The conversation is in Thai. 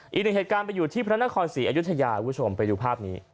อีกหนึ่งเหตุการณ์ไปอยู่ที่พระนครศรีอยุธยาคุณผู้ชมไปดูภาพนี้